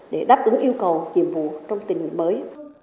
để đáp ứng yêu cầu nhiệm vụ trong tình hình mới